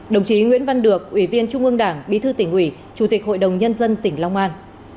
đồng chí nguyễn văn được ủy viên trung ương đảng bí thư tỉnh ủy chủ tịch hội đồng nhân dân tỉnh long an